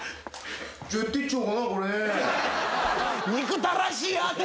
じゃあやってっちゃおうかなこれね。